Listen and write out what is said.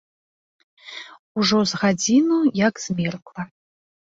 Ужо з гадзіну як змеркла.